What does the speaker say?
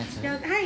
はい。